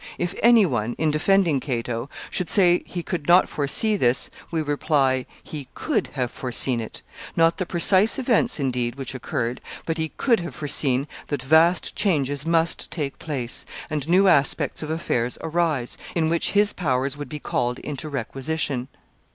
If any one, in defending Cato, should say he could not foresee this, we reply, he could have foreseen it; not the precise events, indeed, which occurred, but he could have foreseen that vast changes must take place, and new aspects of affairs arise, in which his powers would be called into requisition.